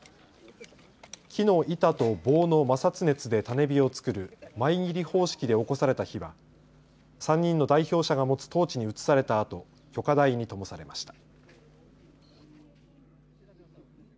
木の板と棒の摩擦熱で種火を作るマイギリ方式でおこされた火は３人の代表者が持つトーチに移されたあと炬火台にともされました。